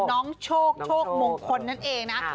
น้องโชคโชคมงคลนั่นเองนะ